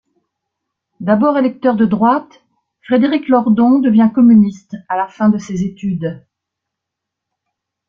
D'abord électeur de droite, Frédéric Lordon devient communiste à la fin de ses études.